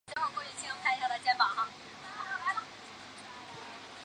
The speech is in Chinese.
北坞村成为清漪园西部耕织图景区的外延。